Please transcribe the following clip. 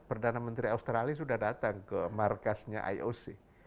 perdana menteri australia sudah datang ke markasnya ioc